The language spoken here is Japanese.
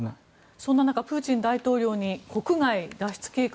そんな中プーチン大統領に国外脱出計画